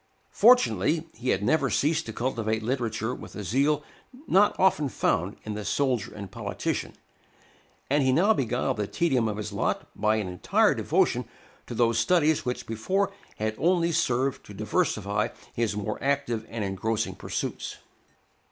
Fortunately, he had never ceased to cultivate literature with a zeal not often found in the soldier and politician, and he now beguiled the tedium of his lot by an entire devotion to those studies which before had only served to diversify his more active and engrossing pursuits.